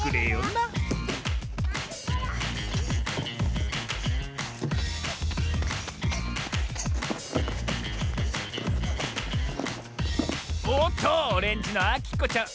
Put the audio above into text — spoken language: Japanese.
なおっとオレンジのあきこちゃん